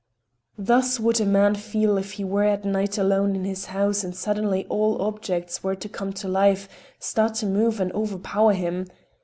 Thus would a man feel if he were at night alone in his house and suddenly all objects were to come to life, start to move and overpower him.